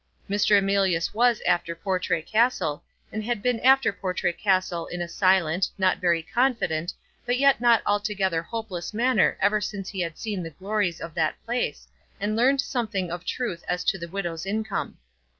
Mr. Emilius was after Portray Castle, and had been after Portray Castle in a silent, not very confident, but yet not altogether hopeless manner ever since he had seen the glories of that place, and learned something of truth as to the widow's income.